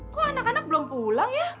kok anak anak belum pulang ya